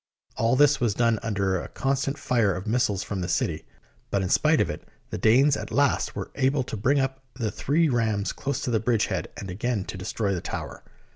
All this was done under a constant fire of missiles from the city, but in spite of it the Danes at last were able to bring up the three rams close to the bridge head and again to destroy the tower.